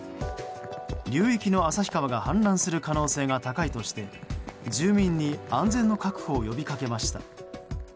流域の旭川が氾濫する可能性が高いとして住民に安全の確保を呼びかけました。